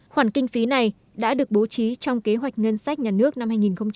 khoản kinh phí này đã được bố trí trong kế hoạch ngân sách nhà nước năm hai nghìn hai mươi